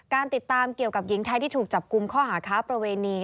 ติดตามเกี่ยวกับหญิงไทยที่ถูกจับกลุ่มข้อหาค้าประเวณี